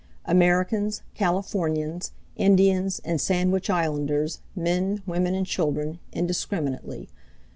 Americans, Californians, Indians and Sandwich Islanders, men, women and children, indiscriminately.